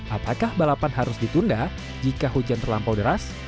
apakah balapan harus ditunda jika hujan terlampau deras